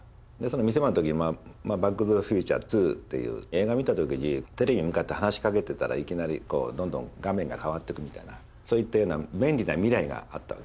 店番の時に「バック・トゥ・ザ・フューチャー２」っていう映画見た時にテレビに向かって話しかけてたらいきなりどんどん画面が変わっていくみたいなそういったような便利な未来があったわけ。